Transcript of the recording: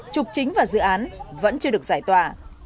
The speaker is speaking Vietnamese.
trục chính và dự án vẫn chưa được giải tỏa